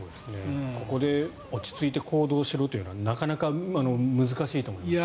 ここで落ち着いて行動しろというのはなかなか難しいと思いますね。